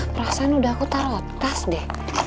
perasaan udah aku taruh tas deh